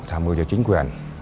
tham mưu cho chính quyền